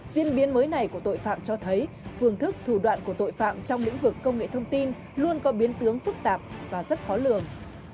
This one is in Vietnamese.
diễn biến mới này của tội phạm cho thấy phương thức thủ đoạn của tội phạm trong lĩnh vực công nghệ thông tin luôn có biến tướng phức tạp và rất khó lường